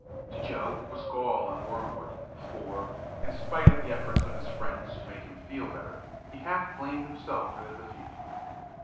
To Joe it was gall and wormwood, for, in spite of the efforts of his friends to make him feel better, he half blamed himself for the defeat.